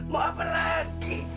mau apa lagi